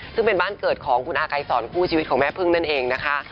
ซึ่งเป็นบ้านเกิดของคุณอากายสอนคู่ชีวิตของแม่พึ่งนั่นเองนะคะ